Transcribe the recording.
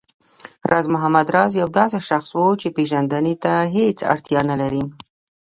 راز محمد راز يو داسې شخص و چې پېژندنې ته هېڅ اړتيا نه لري